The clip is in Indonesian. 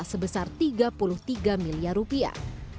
sebesar tiga puluh tiga miliar rupiah